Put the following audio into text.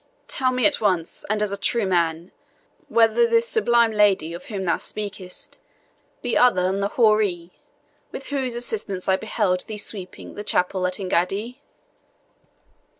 Tell me at once, and as a true man, whether this sublime lady of whom thou speakest be other than the houri with whose assistance I beheld thee sweeping the chapel at Engaddi?"